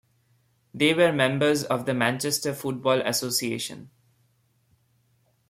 They were members of the Manchester Football Association.